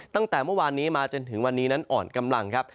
ตั้งแต่เมื่อวานนี้มาจนถึงวันนี้นั้นอ่อนกำลังครับ